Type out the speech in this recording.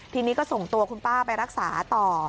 ทีนี้ก็ส่งตัวคุณป้าไปรักษาต่อ